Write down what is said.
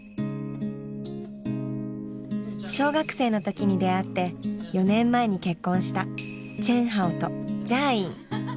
小学生の時に出会って４年前に結婚したチェンハオとジャーイン。